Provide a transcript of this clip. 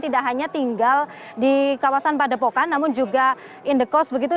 tidak hanya tinggal di kawasan padepokan namun juga in the coast begitu